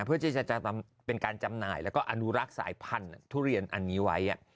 เพื่อที่จะเป็นการจำหน่ายแล้วก็อนุรักษ์สายพันธุ์ทุเรียนอันนี้ไว้